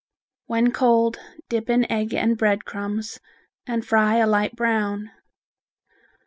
When cold dip in egg and bread crumbs and fry a light brown.